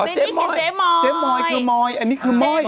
เจ๊มอยเจ๊มอยคือมอยอันนี้คือม่อย